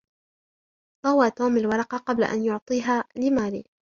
طوى توم الورقة قبل أن يعطيها لماري.